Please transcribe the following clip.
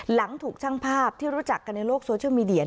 หลังถูกช่างภาพที่รู้จักกันในโลกโซเชียลมีเดีย